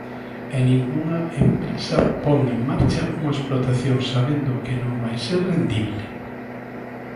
E ningunha empresa pon en marcha unha explotación sabendo que non vai ser rendible.